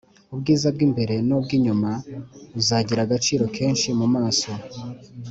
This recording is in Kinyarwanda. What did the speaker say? ubwiza bw’imbere n’ubw inyuma uzagira agaciro kenshi mu maso